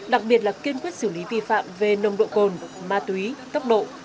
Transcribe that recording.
đặc biệt là kiên quyết xử lý vi phạm về nồng độ cồn ma túy tốc độ